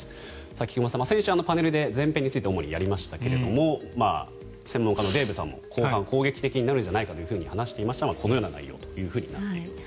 菊間さん、先週、パネルで前編について主にやりましたが専門家のデーブさんも後半攻撃的になるんじゃないかと話していましたがこのような内容となっています。